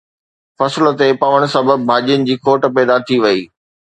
فصل نه پوڻ سبب ڀاڄين جي کوٽ پيدا ٿي وئي